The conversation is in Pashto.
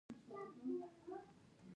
چې زیتون وکري.